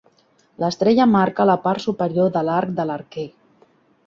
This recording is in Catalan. L'estrella marca la part superior de l'arc de l'arquer.